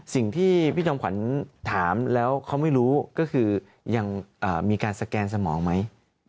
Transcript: สิ่งที่พี่จอมขวัญถามแล้วเขาไม่รู้ก็คือยังมีการสแกนสมองไหม